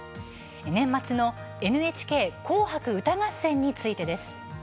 年末の「ＮＨＫ紅白歌合戦」についてです。